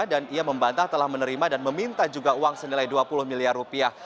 dan ia membantah telah menerima dan meminta juga uang senilai dua puluh miliar rupiah